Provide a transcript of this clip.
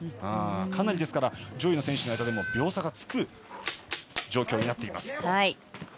かなり、上位の選手の中でも秒差がつく状況になっています。